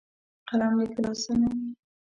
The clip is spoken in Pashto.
قلم لیکل اسانوي.